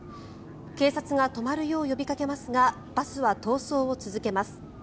警察が止まるよう呼びかけますがバスは逃走を続けます。